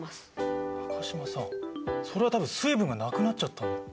中島さんそれは多分水分がなくなっちゃったんだよ。